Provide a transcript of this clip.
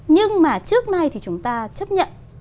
nhưng mà trước nay thì chúng ta chấp nhận